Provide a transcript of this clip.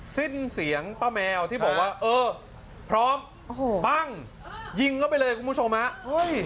สิ้นเสียงป้าแมวที่บอกว่าเออพร้อมโอ้โหปั้งยิงเข้าไปเลยคุณผู้ชมฮะเฮ้ย